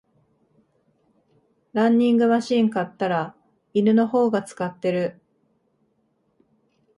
ランニングマシン買ったら犬の方が使ってる